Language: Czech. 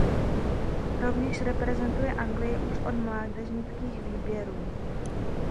Rovněž reprezentuje Anglii už od mládežnických výběrů.